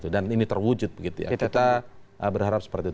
dan ini terwujud kita berharap seperti itu